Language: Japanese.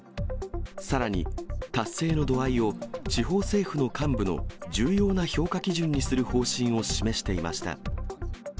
さらに、達成の度合いを地方政府の幹部の重要な評価基準にする方針を示していました。